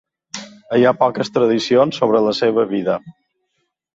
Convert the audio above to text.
Hi ha poques tradicions sobre la seva vida.